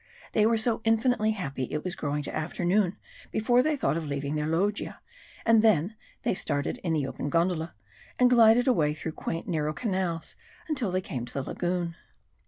They were so infinitely happy it was growing to afternoon before they thought of leaving their loggia, and then they started in the open gondola, and glided away through quaint, narrow canals until they came to the lagoon.